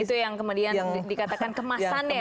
itu yang kemudian dikatakan kemasannya ya